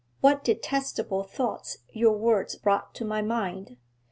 What detestable thoughts your words brought to my mind!